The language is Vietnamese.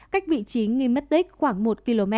cách vị trí nghi mất tích khoảng một km